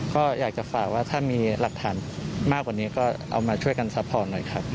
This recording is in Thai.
ก็อยากจะฝากว่าถ้ามีหลักฐานมากกว่านี้ก็เอามาช่วยกันซัพพอร์ตหน่อยครับ